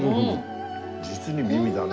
実に美味だね。